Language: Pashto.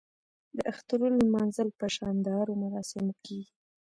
د اخترونو لمانځل په شاندارو مراسمو کیږي.